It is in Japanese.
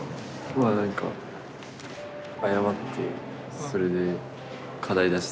まあ何か謝ってそれで課題出して。